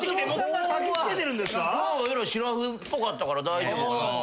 しらふっぽかったから大丈夫かなと。